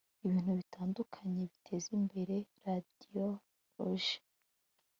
ibintu bitandukanye biteza imbere radiyoloji